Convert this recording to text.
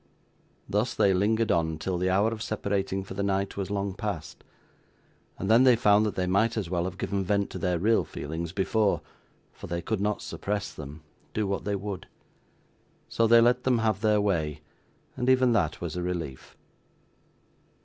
Thus, they lingered on till the hour of separating for the night was long past; and then they found that they might as well have given vent to their real feelings before, for they could not suppress them, do what they would. So, they let them have their way, and even that was a relief.